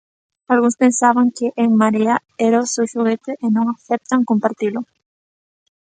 Algúns pensaban que En Marea era o seu xoguete e non aceptan compartilo.